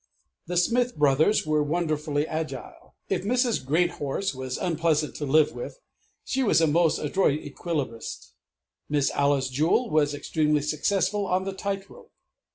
The Smith Brothers were wonderfully agile; if Mrs. Greathorse was unpleasant to live with, she was a most adroit Equilibrist; Miss Alice Jewel was extremely successful on the Tight rope.